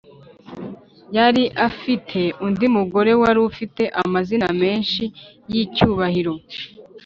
yari afite undi mugore wari ufite amazina menshi y’icyubahiro.